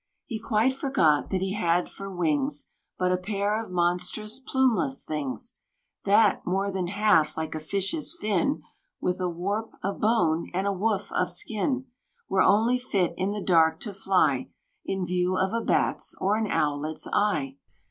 He quite forgot that he had for wings But a pair of monstrous, plumeless things; That, more than half like a fish's fin, With a warp of bone, and a woof of skin, Were only fit in the dark to fly, In view of a bat's or an owlet's eye.